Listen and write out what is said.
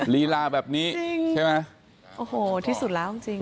ลีลาแบบนี้ใช่ไหมจริงโอ้โหที่สุดแล้วจริง